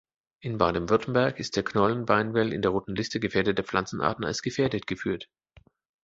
In Baden-Württemberg ist der Knollen-Beinwell in der Roten Liste gefährdeter Pflanzenarten als gefährdet geführt.